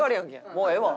もうええわ。